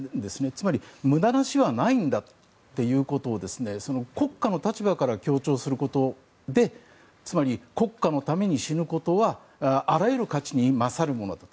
つまり、無駄な死はないんだっていうことを国家の立場から強調することで国家のために死ぬことはあらゆる価値に勝るものだと。